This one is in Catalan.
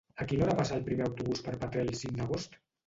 A quina hora passa el primer autobús per Petrer el cinc d'agost?